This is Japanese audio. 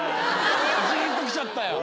ジーンときちゃったよ。